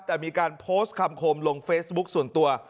แต่มีการโพสต์คำคมลงเฟซบุ๊คส่วนตัว